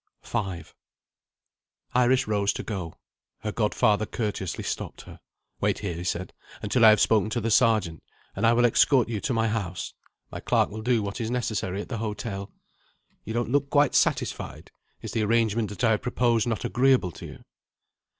V IRIS rose to go. Her godfather courteously stopped her. "Wait here," he said, "until I have spoken to the Sergeant, and I will escort you to my house. My clerk will do what is necessary at the hotel. You don't look quite satisfied. Is the arrangement that I have proposed not agreeable to you?"